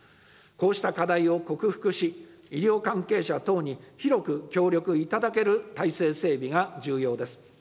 こうした課題を克服し、医療関係者等に広く協力いただける体制整備が重要です。